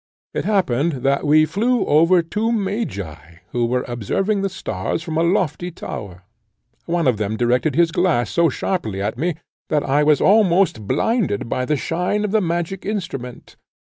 It happened that we flew over two magi, who were observing the stars from a lofty tower. One of them directed his glass so sharply at me, that I was almost blinded by the shine of the magic instrument.